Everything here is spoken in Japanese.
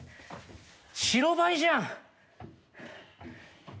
白バイじゃん。